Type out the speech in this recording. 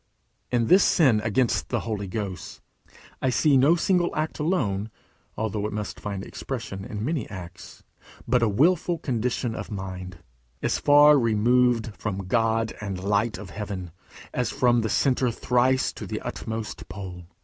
In this sin against the Holy Ghost, I see no single act alone, although it must find expression in many acts, but a wilful condition of mind, As far removed from God and light of heaven, As from the centre thrice to the utmost pole.